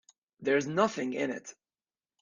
There's nothing in it.